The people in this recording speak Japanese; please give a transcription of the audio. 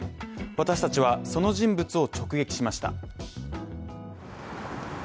私達は、その人物を直撃しました。